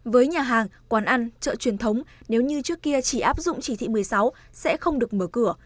với nhà hàng quán ăn chợ truyền thống nếu như trước kia chỉ áp dụng chỉ thị một mươi sáu sẽ không được mở cửa